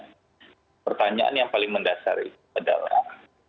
nah pertanyaan yang paling mendasar itu adalah